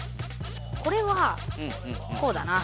これはこうだな。